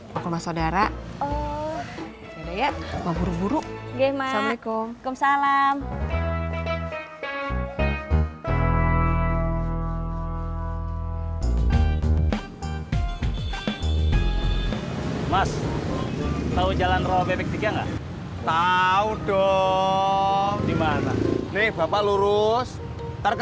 panggung mas saudara